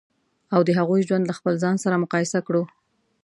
او د هغوی ژوند له خپل ځان سره مقایسه کړو.